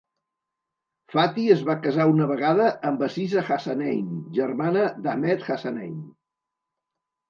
Fathy es va casar una vegada, amb Aziza Hassanein, germana d'Ahmed Hassanein.